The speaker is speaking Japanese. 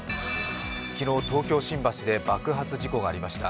昨日、東京・新橋で爆発事故がありました。